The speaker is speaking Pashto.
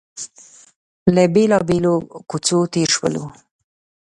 له بېلابېلو کوڅو تېر شولو.